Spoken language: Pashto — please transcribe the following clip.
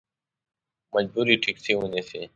مجبور یې ټیکسي ونیسې.